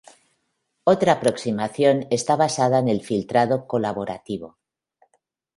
Otra aproximación está basada en el filtrado colaborativo.